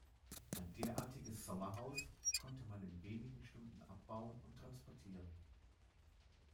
Ein derartiges Sommerhaus konnte man in wenigen Stunden abbauen und transportieren.